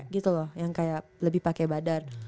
gitu loh yang kayak lebih pakai badan